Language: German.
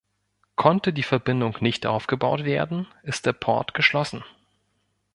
Konnte die Verbindung nicht aufgebaut werden, ist der Port geschlossen.